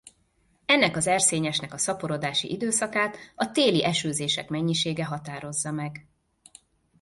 Ennek az erszényesnek a szaporodási időszakát a téli esőzések mennyisége határozza meg.